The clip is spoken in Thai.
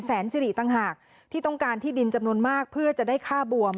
สิริต่างหากที่ต้องการที่ดินจำนวนมากเพื่อจะได้ค่าบวม